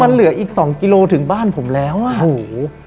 มันเหลืออีกสองกิโลถึงบ้านผมแล้วอ่ะโอ้โห